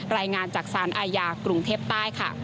รายงานจากสารอาญากรุงเทพใต้ค่ะ